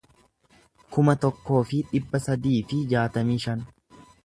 kuma tokkoo fi dhibba sadii fi jaatamii shan